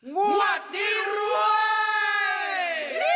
มาไม่นานมาเมื่อกี้